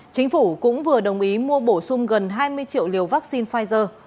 chính phủ cũng vừa đồng ý mua bổ sung gần hai mươi triệu liều vaccine pfizer